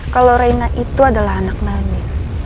kalau reina itu adalah anak nami